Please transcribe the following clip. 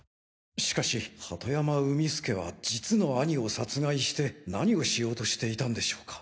しかし鳩山海輔は実の兄を殺害して何をしようとしていたんでしょうか？